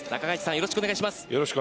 よろしくお願いします。